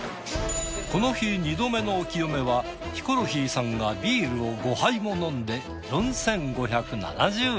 この日二度目のお清めはヒコロヒーさんがビールを５杯も飲んで４，５７０円。